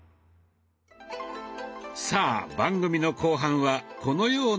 さあ番組の後半はこのようなエクササイズ。